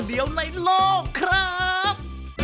สวัสดีครับ